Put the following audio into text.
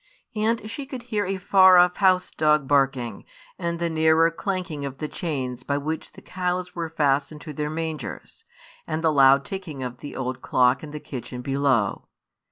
And she could hear a far off house dog barking, and the nearer clanking of the chains by which the cows were fastened to their mangers, and the loud ticking of the old clock in the kitchen below.